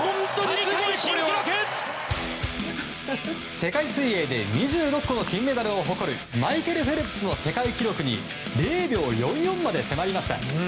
世界水泳で２６個の金メダルを誇るマイケル・フェルプスの世界記録に０秒４４まで迫りました。